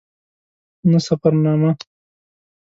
نه سفرنامه.